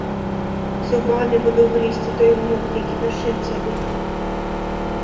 Зубамі буду грызці той гнёт, які душыў цябе!